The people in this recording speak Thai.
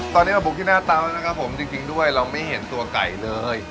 ตอนนี้เราบุกที่หน้าเตานะครับผมจริงด้วยเราไม่เห็นตัวไก่เลย